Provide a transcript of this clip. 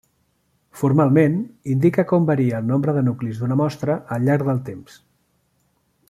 Formalment indica com varia el nombre de nuclis d'una mostra al llarg del temps.